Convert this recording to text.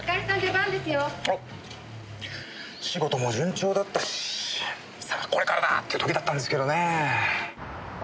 仕事も順調だったしさあこれからだって時だったんですけどね。